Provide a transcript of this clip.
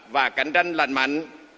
và cạnh tranh lành mạnh